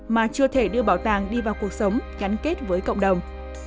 mà chưa thể đưa bảo tàng đi vào cuộc sống gắn kết với cộng đồng